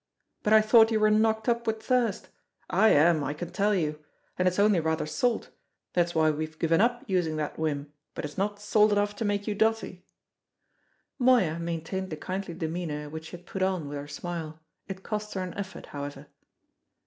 "But I thought you were knocked up with thirst? I am, I can tell you. And it's only rather salt that's why we've given up using that whim but it's not salt enough to make you dotty!" Moya maintained the kindly demeanour which she had put on with her smile; it cost her an effort, however.